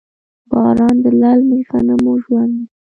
باران د للمي غنمو ژوند دی.